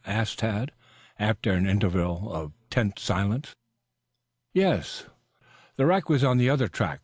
asked Tad, after an interval of tense silence. "Yes." "The wreck was on the other track."